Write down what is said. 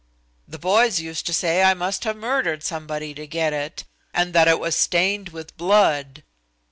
The boys used to say I must have murdered somebody to get it, and that it was stained with blood."